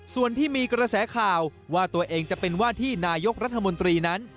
ส่วนที่มีกระแสข่าวว่าตัวเองจะเป็นว่าที่นายกรัฐมนตรีนั้น